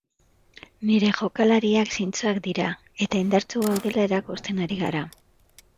Nire jokalariak zintzoak dira, eta indartsu gaudela erakusten ari gara.